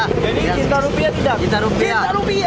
jadi cinta rupiah tidak